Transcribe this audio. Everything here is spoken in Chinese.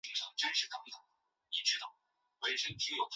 本剧亦为坂口健太郎的初次主演剧作。